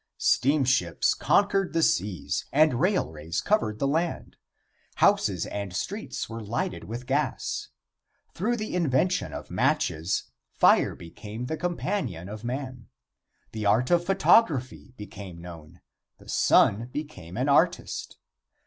Steamships conquered the seas and railways covered the land. Houses and streets were lighted with gas. Through the invention of matches fire became the companion of man. The art of photography became known; the sun became an artist.